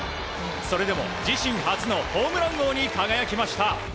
それでも自身初のホームラン王に輝きました。